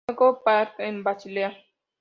Jakob Park, en Basilea.